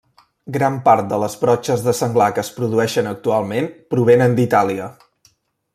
Gran part de les brotxes de senglar que es produeixen actualment provenen d'Itàlia.